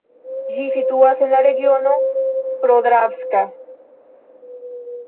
Ĝi situas en la Regiono Podravska.